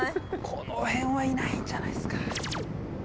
この辺はいないんじゃないですか？